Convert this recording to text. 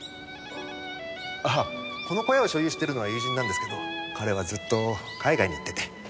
あっこの小屋を所有してるのは友人なんですけど彼はずっと海外に行ってて。